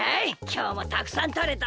きょうもたくさんとれたよ。